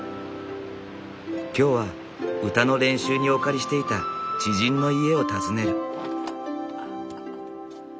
今日は歌の練習にお借りしていた知人の家を訪ねる。